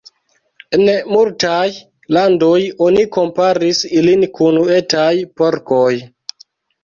En multaj landoj oni komparis ilin kun etaj porkoj.